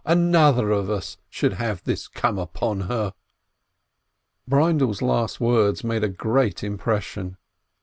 another of us should have this come upon her!" BreindePs last words made a great impression.